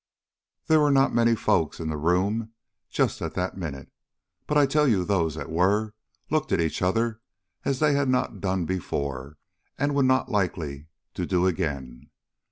There were not many folks in the room just at that minute, but I tell you those that were looked at each other as they had not done before and would not be likely to do again.